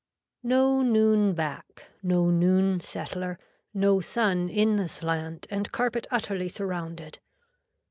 No noon back. No noon settler, no sun in the slant and carpet utterly surrounded.